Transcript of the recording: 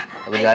sampai jumpa ma